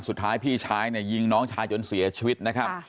สุดท้ายพี่ชายเนี่ยยิงน้องชายจนเสียชีวิตนะครับ